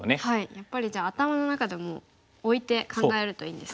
やっぱりじゃあ頭の中でもう置いて考えるといいんですね。